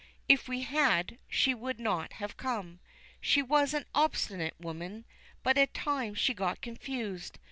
If we had, she would not have come. She was an obstinate woman, but at times she got confused.